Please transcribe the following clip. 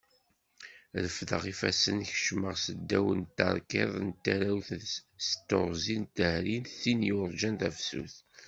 Refdeɣ ifassen kecmeɣ seddaw n tarkiḍṭ n tarawt s teɣzi d tehri n tin yurjan tafsut.